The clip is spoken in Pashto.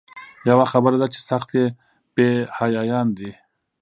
یوه خبره ده چې سخت بې حیایان دي.